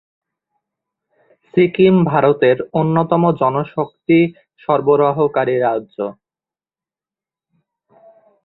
সিকিম ভারতের অন্যতম জনশক্তি সরবরাহকারী রাজ্য।